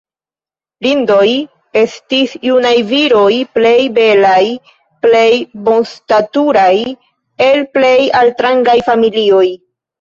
"Rindoj" estis junaj viroj plej belaj, plej bonstaturaj el plej altrangaj familioj.